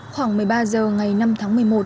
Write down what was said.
khoảng một mươi ba h ngày năm tháng một mươi một